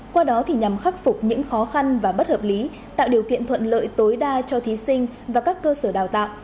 qua đó thì nhằm khắc phục những khó khăn và bất hợp lý tạo điều kiện thuận lợi tối đa cho thí sinh và các cơ sở đào tạo